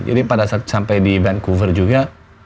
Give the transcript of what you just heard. jadi pada saat sampai di vancouver juga